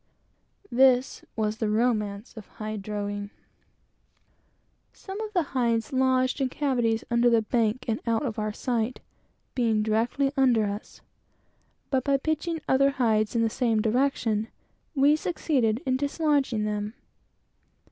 This was the romance of hide droghing! Some of the hides lodged in cavities which were under the bank and out of our sight, being directly under us; but by sending others down in the same direction, we succeeded in dislodging them.